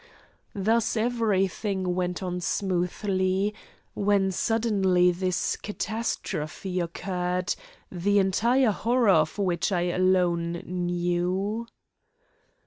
Thus everything went on smoothly, when suddenly this catastrophe occurred, the entire horror of which I alone knew.